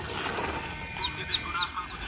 نړیواله جګړه په ناڅاپي ډول پیل سوه.